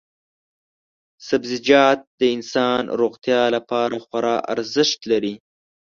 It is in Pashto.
سبزیجات د انسان روغتیا لپاره خورا ارزښت لري.